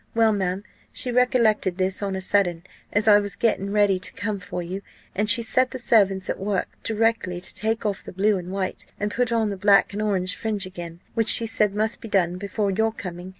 Well, ma'am, she recollected this on a sudden, as I was getting ready to come for you; and she set the servants at work directly to take off the blue and white, and put on the black and orange fringe again, which she said must be done before your coming.